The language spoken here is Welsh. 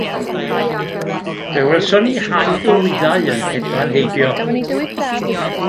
Fe welson ni haid o wyddau yn hedfan heibio.